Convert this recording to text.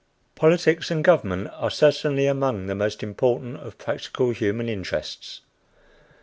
Politics and government are certainly among the most important of practical human interests.